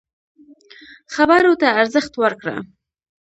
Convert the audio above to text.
خبرو ته ارزښت ورکړه.